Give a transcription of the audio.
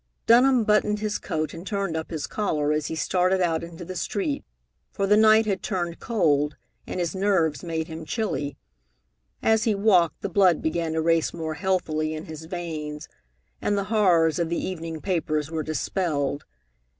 Dunham buttoned his coat and turned up his collar as he started out into the street, for the night had turned cold, and his nerves made him chilly. As he walked, the blood began to race more healthily in his veins, and the horrors of the evening papers were dispelled.